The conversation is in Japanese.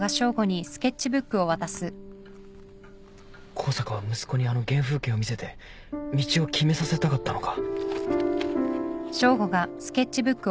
向坂は息子にあの原風景を見せて道を決めさせたかったのか？